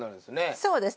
そうですね。